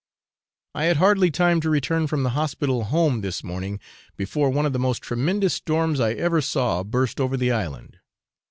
I had hardly time to return from the hospital home this morning before one of the most tremendous storms I ever saw burst over the island.